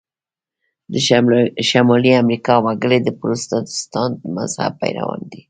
د شمالي امریکا وګړي د پروتستانت د مذهب پیروان دي.